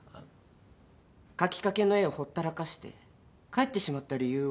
描きかけの絵をほったらかして帰ってしまった理由を聞かせてくれないか？